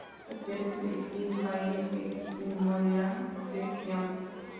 Esta tierra es de Gil Bayle, que ni morirá de sed ni hambre".